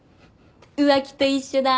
浮気と一緒だ。